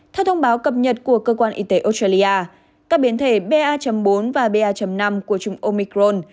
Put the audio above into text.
theo thông báo cập nhật của cơ quan y tế australia các biến thể ba bốn và ba năm của chủng omicron